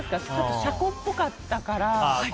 車庫っぽかったから。